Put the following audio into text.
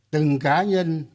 từng cá nhân